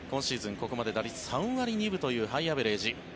ここまで打率３割２分というハイアベレージ。